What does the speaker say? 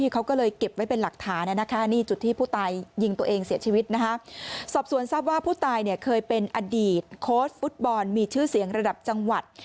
เคยเป็นอดีตโค้ดฟุตบอลมีชื่อเสียงระดับจังหวัด